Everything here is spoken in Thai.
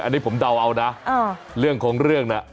อันนี้ผมเดาเอานะเรื่องของเรื่องน่ะ